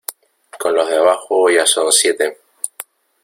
con los de abajo ya son siete.